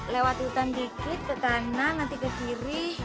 lewat hutan dikit ke kanan nanti ke kiri